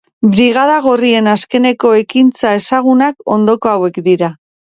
Brigada Gorrien azkeneko ekintza ezagunak ondoko hauek dira.